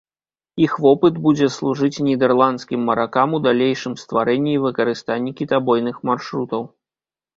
Іх вопыт будзе служыць нідэрландскім маракам у далейшым стварэнні і выкарыстанні кітабойных маршрутаў.